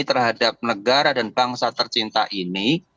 terhadap negara dan bangsa tercinta ini